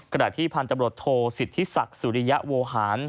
กระดาษที่พันธุ์จำรวจโทษศิษฐศักดิ์สุริยาโวหาร